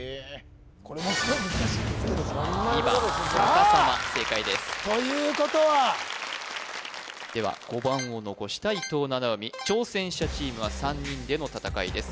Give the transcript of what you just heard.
これもすごい難しいんですけど２番さかさま正解ですということはでは５番を残した伊藤七海挑戦者チームは３人での戦いです